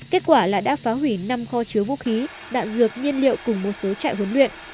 kết quả là đã phá hủy năm kho chứa vũ khí đạn dược nhiên liệu cùng một số trại huấn luyện